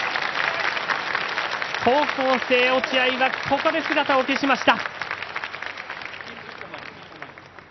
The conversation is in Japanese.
高校生の落合はここで姿を消しました。